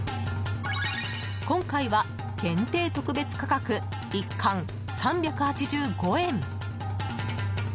今回は限定特別価格１貫３８５円。